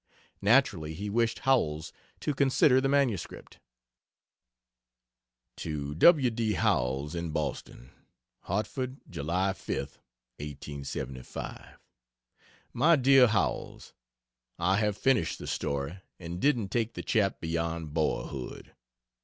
Naturally he wished Howells to consider the MS. To W. D. Howells, in Boston: HARTFORD, July 5th, 1875. MY DEAR HOWELLS, I have finished the story and didn't take the chap beyond boyhood.